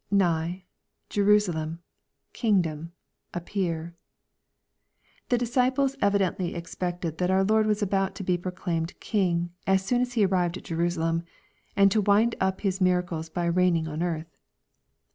[iV'i59'^...t/erttsafem...A;w2^(^om...op>p^^^ ] The disciples evidently ex pected that our Lord was about to be proclaimed king, as soon as He arrived at Jerusalem, and to wind up His miracles by reigning on earth.